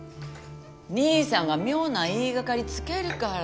兄さんが妙な言い掛かりつけるから。